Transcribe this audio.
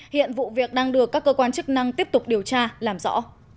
hiện vụ việc đang được các cơ quan chức năng tiếp tục điều tra làm rõ